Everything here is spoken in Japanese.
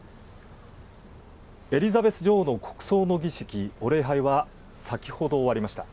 エリザベス女王の国葬の儀式ご礼拝は先程、終わりました。